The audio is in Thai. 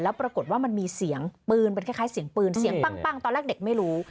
ปรากฏว่ามันมีเสียงปืนเป็นคล้ายเสียงปืนเสียงปั้งตอนแรกเด็กไม่รู้